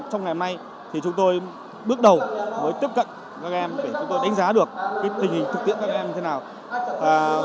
hôm nay chúng tôi bước đầu mới tiếp cận các em để chúng tôi đánh giá được tình hình thực tiễn các em như thế nào